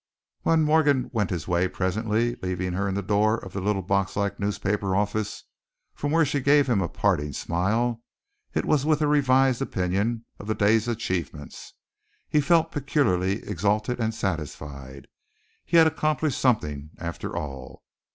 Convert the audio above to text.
When Morgan went his way presently, leaving her in the door of the little boxlike newspaper office, from where she gave him a parting smile, it was with a revised opinion of the day's achievements. He felt peculiarly exalted and satisfied. He had accomplished something, after all.